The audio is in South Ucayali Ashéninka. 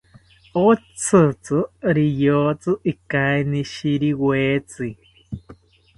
Otzitzi riyotzi ikainishiriwetzi